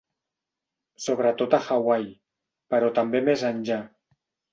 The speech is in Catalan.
Sobretot a Hawaii, però també més enllà.